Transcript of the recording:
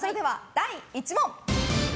第１問！